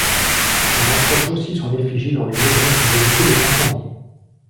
On accroche aussi son effigie dans les maisons pour éviter les incendies.